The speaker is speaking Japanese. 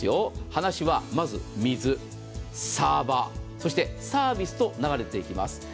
話は、まず水サーバーそしてサービスと流れていきます。